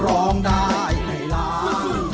ร้องได้ให้ร้อง